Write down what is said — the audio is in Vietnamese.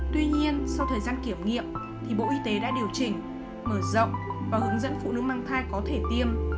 tuy nhiên sau thời gian kiểm nghiệm thì bộ y tế đã điều chỉnh mở rộng và hướng dẫn phụ nữ mang thai có thể tiêm